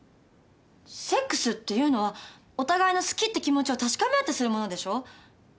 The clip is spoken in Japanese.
セックスっていうのはお互いの好きって気持ちを確かめ合ってするものでしょう？